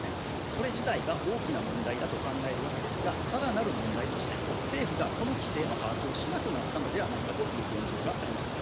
それ自体が大きな問題だと考えるわけですが、さらなる問題として、政府がこの規制の把握をしなくなったのではないかという現状があります。